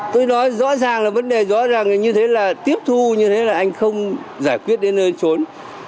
tôi nói rõ ràng là vấn đề rõ ràng như thế là tiếp thu như thế là anh không giải quyết đến nơi trốn